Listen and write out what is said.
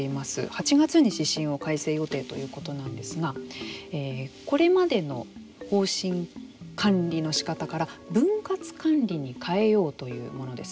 ８月に指針を改正予定ということなんですが、これまでの方針管理のしかたから、分割管理に変えようというものです。